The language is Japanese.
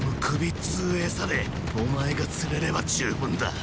っつうエサでお前が釣れれば十分だ！